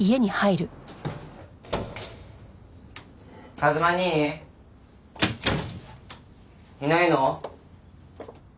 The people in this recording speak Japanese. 和磨兄？いないの？